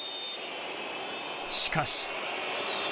しかし。